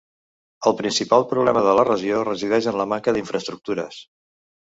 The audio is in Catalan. El principal problema de la regió resideix en la manca d'infraestructures.